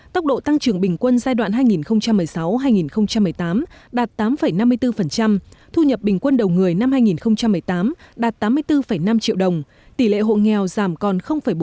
tốc độ tăng trưởng bình quân giai đoạn hai nghìn một mươi sáu hai nghìn một mươi tám đạt tám năm mươi bốn thu nhập bình quân đầu người năm hai nghìn một mươi tám đạt tám mươi bốn năm triệu đồng tỷ lệ hộ nghèo giảm còn bốn mươi